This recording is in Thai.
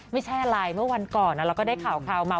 ไม่ใช่อะไรเมื่อวันก่อนเราก็ได้ข่าวมา